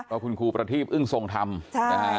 เพราะคุณครูประทีปอึ้งทรงทำ